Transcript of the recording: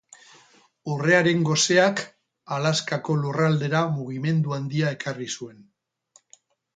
Urrearen goseak Alaskako lurraldera mugimendu handia ekarri zuen.